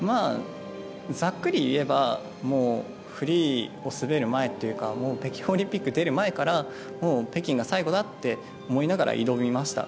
ざっくり言えばフリーを滑る前というか北京オリンピックに出る前からもう北京が最後だって思いながら挑みました。